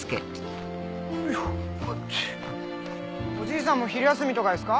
おじいさんも昼休みとかですか？